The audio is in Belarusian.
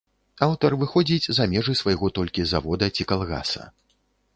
Аўтар выходзіць за межы свайго толькі завода ці калгаса.